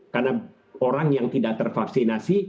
karena orang yang tidak tervaksinasi